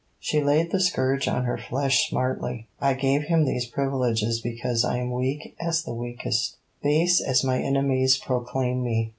She laid the scourge on her flesh smartly. I gave him these privileges because I am weak as the weakest, base as my enemies proclaim me.